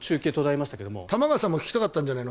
玉川さんも聞きたかったんじゃないの？